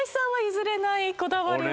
譲れないこだわりは？